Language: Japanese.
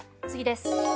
次です。